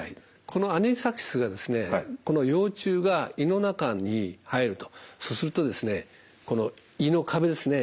このアニサキスがこの幼虫が胃の中に入るとそうするとこの胃の壁ですね